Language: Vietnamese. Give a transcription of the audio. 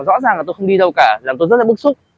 rõ ràng là tôi không đi đâu cả làm tôi rất là bức xúc